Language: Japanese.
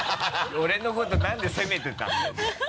俺のこと何で責めてたんだよじゃあ。